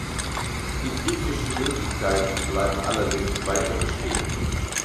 Die griechischen Möglichkeiten bleiben allerdings weiter bestehen.